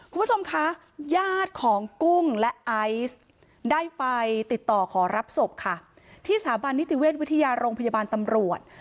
คุณผู้ชมคะญาติของกุ้งและไอซ์ได้ไปติดต่อขอรับศพค่ะที่สถาบันนิติเวชวิทยาโรงพยาบาลตำรวจ